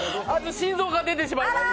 心臓が出てしまいました。